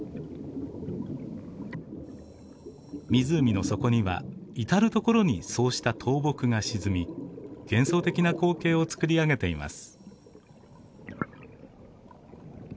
湖の底には至る所にそうした倒木が沈み幻想的な光景を作り上げています。